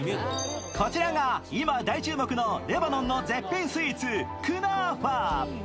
こちらが今大注目のレバノンのスイーツ、クナーファ。